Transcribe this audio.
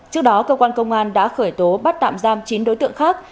trước đó cơ quan công an đã khởi tố bắt tạm giam chín đối tượng khác